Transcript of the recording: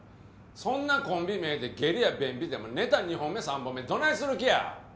そんなコンビ名で下痢や便秘ってネタ２本目３本目どないする気や！